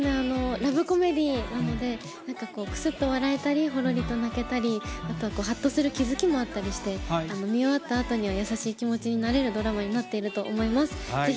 ラブコメディーなので、なんかこう、くすっと笑えたり、ほろりと泣けたり、あとははっとする気付きもあったりして、見終わったあとには、優しい気持ちになれるドラマになっていると思います。